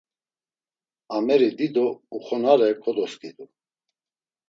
Ameri dido uxonare kodoskidu.